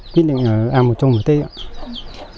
quyết định ăn một chung một tết